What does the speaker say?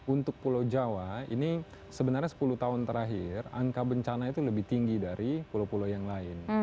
untuk pulau jawa ini sebenarnya sepuluh tahun terakhir angka bencana itu lebih tinggi dari pulau pulau yang lain